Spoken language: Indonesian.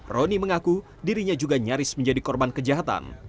roni mengaku dirinya juga nyaris menjadi korban kejahatan